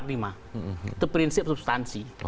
itu prinsip substansi